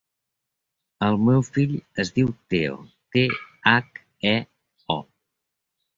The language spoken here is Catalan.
El meu fill es diu Theo: te, hac, e, o.